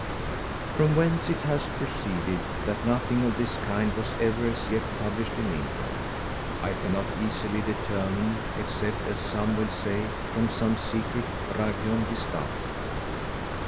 _ From whence it hath proceeded, that nothing of this kind was ever, as yet, published in England, I cannot easily determine; except, as some will say, from some secret Ragion di Stato.